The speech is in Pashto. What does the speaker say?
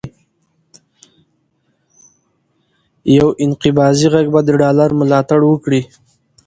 یو انقباضي غږ به د ډالر ملاتړ وکړي،